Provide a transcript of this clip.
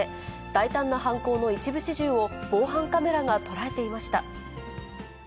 大胆な犯行の一部始終を防犯カメラが捉えていました。